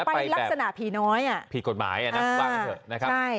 ไปลักษณะผีน้อยผีกฎหมายนะบ้างกันเถอะ